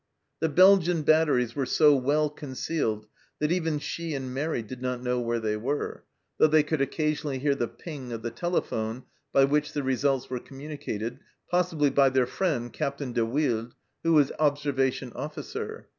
The Belgian batteries were so well concealed that even she and Mairi did not know where they were, VARIED LIFE IN PERVYSE 163 though they could occasionally hear the " ping " of the telephone by which the results were communi cated, possibly by their friend Captain de Wilde, who was observation officer.